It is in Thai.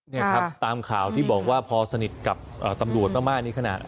นี่ครับตามข่าวที่บอกว่าพอสนิทกับตำรวจมากนี่ขนาด